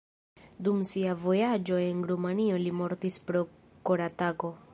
Dum sia vojaĝo en Rumanio li mortis pro koratako.